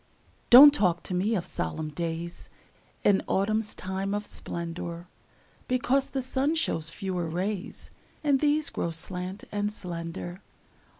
Don't talk to me of solemn days In autumn's time of splendor, Because the sun shows fewer rays, And these grow slant and slender.